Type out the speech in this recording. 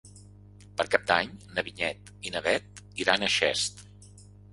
Per Cap d'Any na Vinyet i na Bet aniran a Xest.